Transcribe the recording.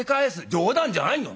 「冗談じゃないよ。